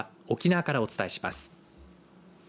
沖縄からお伝えします。